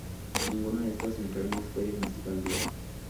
Ninguno de estos enfermos fue diagnosticado en vida.